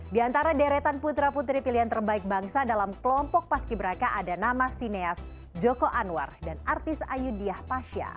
di antara deretan putra putri pilihan terbaik bangsa dalam kelompok paski beraka ada nama sineas joko anwar dan artis ayudyah pasha